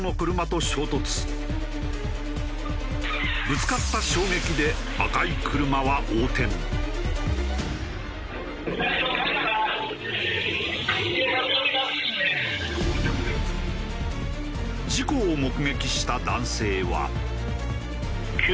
ぶつかった衝撃で事故を目撃した男性は。